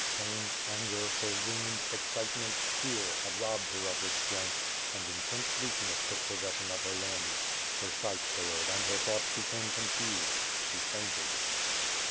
Pain, anger, her wound, excitement, fear, had robbed her of her strength, and intense weakness took possession of her limbs. Her sight failed and her thoughts became confused. She fainted.